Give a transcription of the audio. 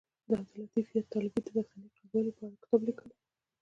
عبداللطیف یاد طالبي د پښتني قبیلو په اړه کتاب لیکلی دی